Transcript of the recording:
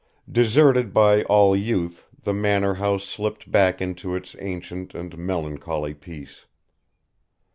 Deserted by all youth the Manor House slipped back into its ancient and melancholy peace.